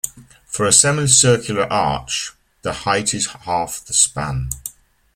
For a semi-circular arch, the height is half of the span.